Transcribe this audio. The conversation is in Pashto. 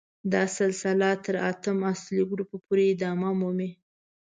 دا سلسله تر اتم اصلي ګروپ پورې ادامه مومي.